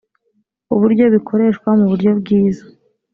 uburyo bikoreshwa mu buryo bwiza